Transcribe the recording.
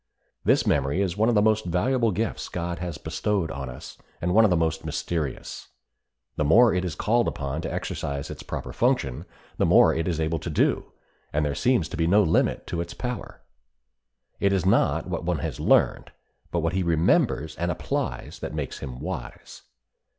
This memory is one of the most valuable gifts God has bestowed upon us, and one of the most mysterious. The more it is called upon to exercise its proper function the more it is able to do, and there seems to be no limit to its power. It is not what one has learned, but what he remembers and applies that makes him wise.